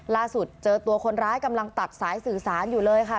เจอตัวคนร้ายกำลังตัดสายสื่อสารอยู่เลยค่ะ